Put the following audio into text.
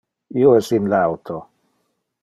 Io es in le auto.